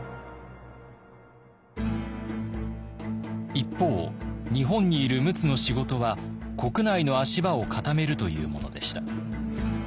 一方日本にいる陸奥の仕事は国内の足場を固めるというものでした。